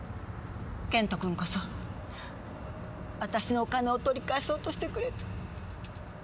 謙人君こそあたしのお金を取り返そうとしてくれて。